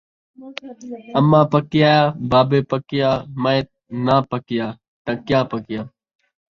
اماں پکیاں، بابے پکیاں، میں ناں پکیاں تاں کیا پکیاں